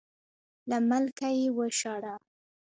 له ملکه یې وشړم.